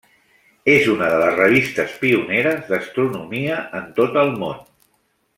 És una de les revistes pioneres d'astronomia en tot el món.